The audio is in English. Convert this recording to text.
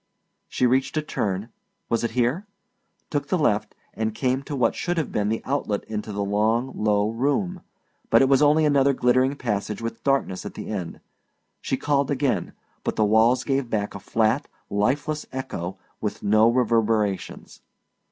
She reached a turn was it here? took the left and came to what should have been the outlet into the long, low room, but it was only another glittering passage with darkness at the end. She called again, but the walls gave back a flat, lifeless echo with no reverberations.